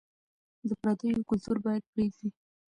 د پرديو کلتور بايد پرېږدو.